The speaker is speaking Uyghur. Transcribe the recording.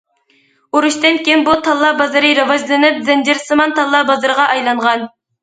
ئۇرۇشتىن كېيىن، بۇ تاللا بازىرى راۋاجلىنىپ، زەنجىرسىمان تاللا بازىرىغا ئايلانغان.